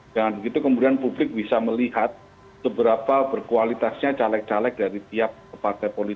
dan begitu kemudian publik bisa melihat seberapa berkualitasnya caleg caleg dari tiap partai